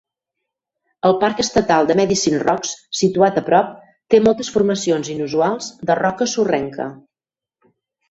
El parc estatal de Medicine Rocks, situat a prop, té moltes formacions inusuals de roca sorrenca.